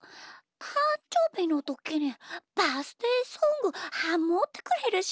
たんじょうびのときにバースデーソングハモってくれるし！